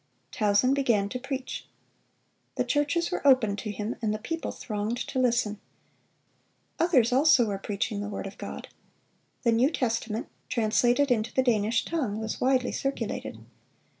Tausen began to preach. The churches were opened to him, and the people thronged to listen. Others also were preaching the word of God. The New Testament, translated into the Danish tongue, was widely circulated.